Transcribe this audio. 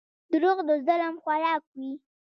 • دروغ د ظلم خوراک وي.